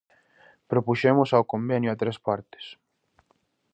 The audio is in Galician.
Propuxemos ao convenio a tres partes.